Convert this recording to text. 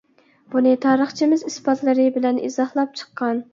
بۇنى تارىخچىمىز ئىسپاتلىرى بىلەن ئىزاھلاپ چىققان.